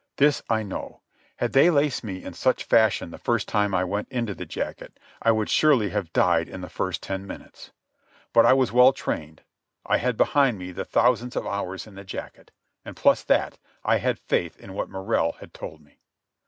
This I know: Had they laced me in such fashion the first time I went into the jacket, I would surely have died in the first ten minutes. But I was well trained. I had behind me the thousands of hours in the jacket, and, plus that, I had faith in what Morrell had told me.